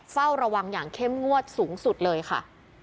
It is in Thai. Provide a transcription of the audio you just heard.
เฝ้าระวังอย่างเข้มงวดสูงสุดเลยค่ะ